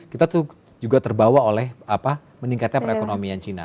kita tuh juga terbawa oleh meningkatnya perekonomian china